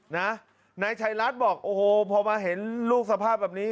นายชัยรัฐบอกโอ้โหพอมาเห็นลูกสภาพแบบนี้